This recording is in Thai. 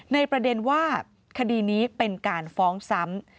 ในประเด็นว่าคดีนี้เป็นการฟ้องซ้ำ